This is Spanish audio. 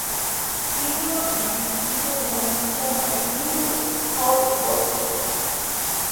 Ídolo indiscutido de la hinchada de Newell's Old Boys.